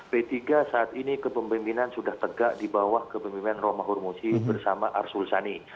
p tiga saat ini kepemimpinan sudah tegak di bawah kepemimpinan romahur musi bersama arsul sani